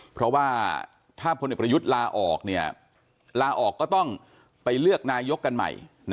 เพราะว่าถ้าพลเอกประยุทธ์ลาออกลาออกก็ต้องไปเลือกนายกกันใหม่